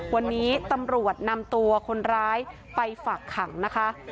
วันนี้ตำรวจนำตัวคนร้ายไปฝากขังนะคะ